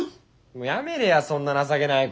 もうやめれやそんな情けない声。